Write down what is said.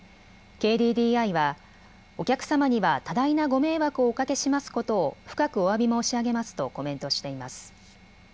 ＫＤＤＩはお客様には多大なご迷惑をおかけしますことを深くおわび申し上げますとコメントしています。